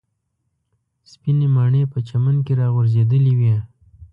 سپینې مڼې په چمن کې راغورځېدلې وې.